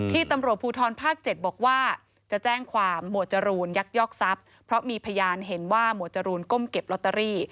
ตำรวจภูทรภาค๗บอกว่าจะแจ้งความหมวดจรูนยักยอกทรัพย์เพราะมีพยานเห็นว่าหมวดจรูนก้มเก็บลอตเตอรี่